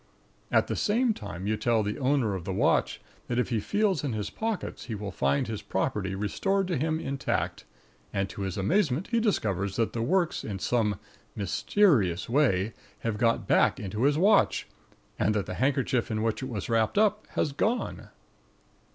At the same time you tell the owner of the watch that if he feels in his pockets he will find his property restored to him intact; and to his amazement he discovers that the works in some mysterious way have got back into his watch, and that the handkerchief in which it was wrapped up has gone!